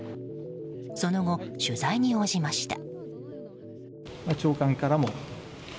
その後、取材に応じました。